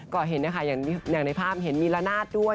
ก็เห็นนะคะอย่างในภาพเห็นมีละนาดด้วย